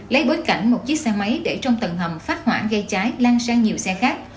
lấy bối cảnh một chiếc xe máy để trong tầng hầm phát hỏa gây cháy lan sang nhiều xe khác